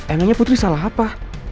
enaknya putri salah apa